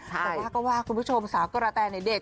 แต่ว่าก็ว่าคุณผู้ชมสาวกระแตในเด็ก